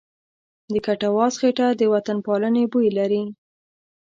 د کټواز خټه د وطنپالنې بوی لري.